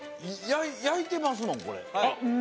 焼いてますもんこれ。